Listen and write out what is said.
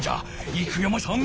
生山さん